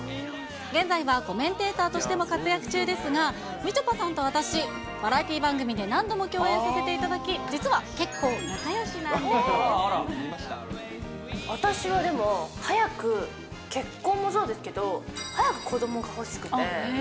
現在はコメンテーターとしても活躍中ですが、みちょぱさんと私、バラエティー番組で何度も共演させていただき、私はでも、早く結婚もそうですけど、早く子どもが欲しくて。